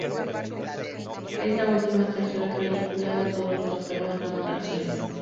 Es la última y tercera película de "Todos los perros van al cielo".